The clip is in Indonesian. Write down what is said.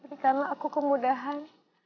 berikanlah aku kemudahan